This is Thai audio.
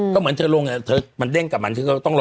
ก็เหมือนเธอลงเนี่ยเธอมันเด้งกับมันก็ต้องรอ๑๔